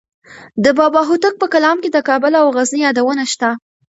د بابا هوتک په کلام کې د کابل او غزني یادونه شته.